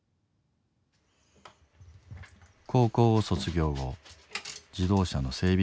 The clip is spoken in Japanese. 高校を卒業後自動車の整備